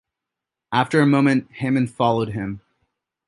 After a moment Hammond followed him.